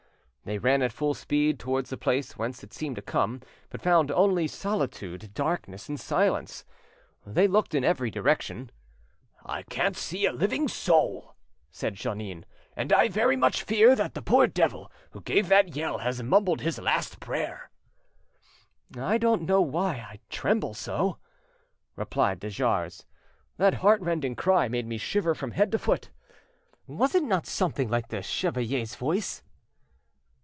They ran at full speed towards the place whence it seemed to come, but found only solitude, darkness, and silence. They looked in every direction. "I can't see a living soul," said Jeannin, "and I very much fear that the poor devil who gave that yell has mumbled his last prayer." "I don't know why I tremble so," replied de Jars; "that heart rending cry made me shiver from head to foot. Was it not something like the chevalier's voice?"